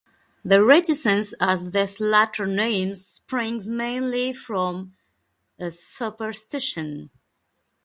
The reticence as to these latter names springs mainly from superstition.